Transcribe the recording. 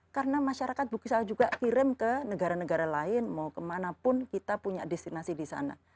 karena masyarakat bisa juga kirim ke negara negara lain mau ke manapun kita punya destinasi di sana